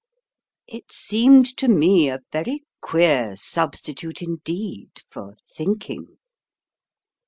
It seemed to me a very queer substitute indeed for thinking."